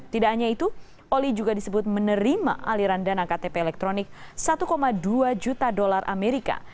tidak hanya itu oli juga disebut menerima aliran dana ktp elektronik satu dua juta dolar amerika